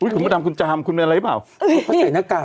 คุณมาดำคุณจามคุณเป็นอะไรหรือเปล่า